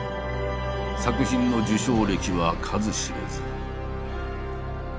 作品の受賞歴は数知れず。